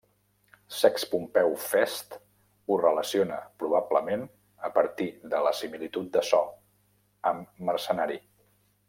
Sext Pompeu Fest ho relaciona, probablement a partir de la similitud de so, amb mercenari.